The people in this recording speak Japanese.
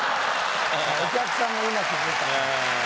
「お客さんも今気付いた」